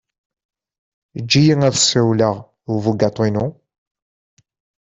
Eǧǧ-iyi ad ssiwleɣ i ubugaṭu-inu.